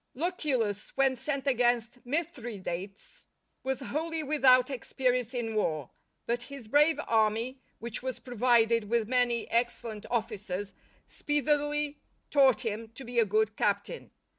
Lucullus when sent against Mithridates was wholly without experience in war: but his brave army, which was provided with many excellent officers, speedily taught him to be a good captain.